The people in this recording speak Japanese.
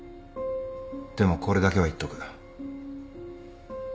でもこれだけは言っとく。